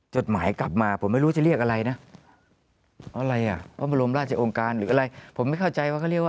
จดหมายกลับมาผมไม่รู้จะเรียกอะไรนะ